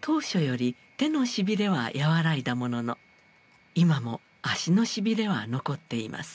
当初より手のしびれは和らいだものの今も足のしびれは残っています。